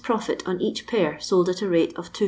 profit on each pair sold at a rate of 2s.